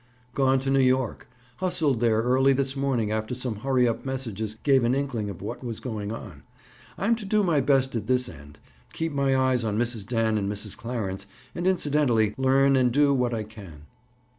"Gone to New York. Hustled there early this morning after some hurry up messages gave an inkling of what was going on. I'm to do my best at this end. Keep my eyes on Mrs. Dan and Mrs. Clarence, and incidentally, learn and do what I can."